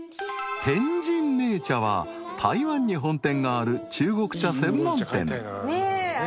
［天仁茗茶は台湾に本店がある中国茶専門店］